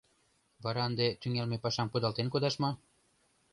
Вара ынде тӱҥалме пашам кудалтен кодаш мо?